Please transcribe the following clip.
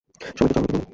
সবাইকে জড়ো হতে বলো।